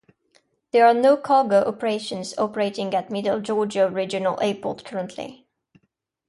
There are no cargo operations operating at Middle Georgia Regional Airport currently.